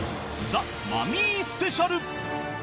ザ・マミィスペシャル！